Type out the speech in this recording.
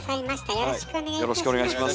よろしくお願いします。